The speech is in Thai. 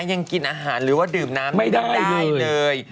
ยังกินอาหารหรือว่าดื่มน้ำไม่ได้เลย